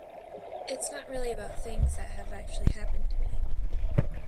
It's not really about things that have actually happened to me.